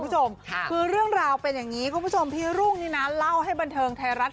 คุณผู้ชมคือเรื่องราวเป็นอย่างนี้คุณผู้ชมพี่รุ่งนี่นะเล่าให้บันเทิงไทยรัฐ